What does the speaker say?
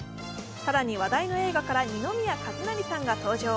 更に話題の映画から二宮和也さんか登場。